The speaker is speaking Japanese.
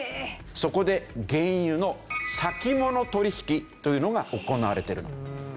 そこで原油の先物取引というのが行われているの。